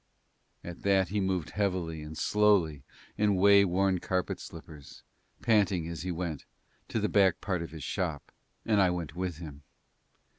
At that he moved heavily and slowly in way worn carpet slippers, panting as he went, to the back part of his shop, and I went with him.